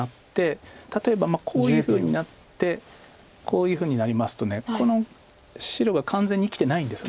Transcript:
例えばこういうふうになってこういうふうになりますとこの白が完全に生きてないんです。